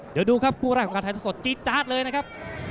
เดี๋ยวดูครับคู่แรกของการถ่ายท่อสดจี๊ดจาดเลยนะครับ